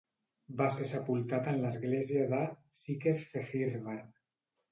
Va ser sepultat en l'església de Székesfehérvár.